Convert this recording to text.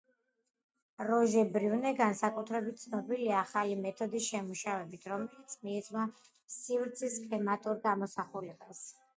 როჟე ბრიუნე განსაკუთრებით ცნობილია ახალი მეთოდის შემუშავებით, რომელიც მიეძღვნა სივრცის სქემატურ გამოსახულებას.